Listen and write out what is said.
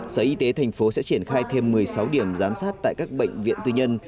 sở y tế thành phố sẽ triển khai thêm một mươi sáu điểm giám sát tại các bệnh viện tư nhân